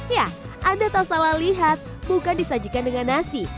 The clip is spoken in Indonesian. ya anda tak salah lihat bukan disajikan dengan nasi